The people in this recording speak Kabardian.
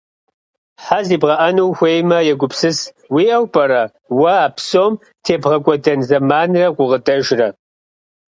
Хьэ зибгъэӏэну ухуеймэ, егупсыс, уиӏэу пӏэрэ уэ а псом тебгъэкӏуэдэн зэманрэ гукъыдэжрэ.